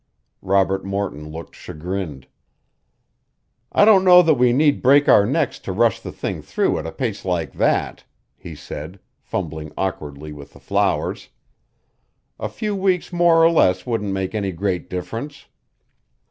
Robert Morton looked chagrined. "I don't know that we need break our necks to rush the thing through at a pace like that," he said, fumbling awkwardly with the flowers. "A few weeks more or less wouldn't make any great difference."